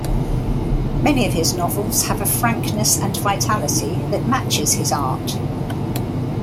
Many of his novels have a frankness and vitality that matches his art.